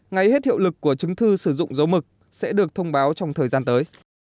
ngay hết hiệu lực của chứng thư sử dụng dấu mực sẽ được thông báo trong thời gian tới